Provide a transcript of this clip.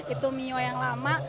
itu mio yang lama